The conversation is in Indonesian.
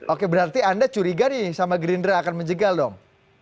oke berarti anda curiga nih sama gerindra akan menjegal dong